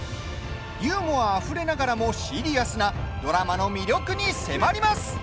ユーモアあふれながらもシリアスなドラマの魅力に迫ります。